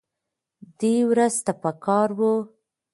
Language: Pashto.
دې ورځ ته پکار وه